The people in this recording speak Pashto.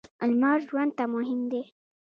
لمر ژوند ته مهم دی.